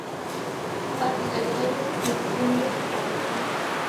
პარკის ტერიტორიაზე ფუნქციონირებს ტუალეტი.